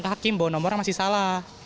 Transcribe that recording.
hakim bahwa nomornya masih salah